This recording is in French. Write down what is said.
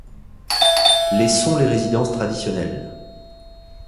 Les sont les résidences traditionnelles.